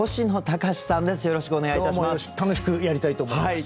楽しくやりたいと思います。